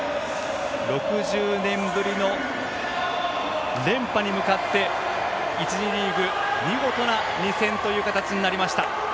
６０年ぶりの連覇に向かって１次リーグ、見事な２戦という形になりました。